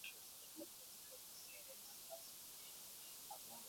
watu wanaandamana kwa utulivu wakiinua mabango yao